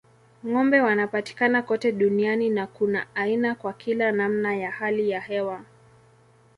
Ng'ombe wanapatikana kote duniani na kuna aina kwa kila namna ya hali ya hewa.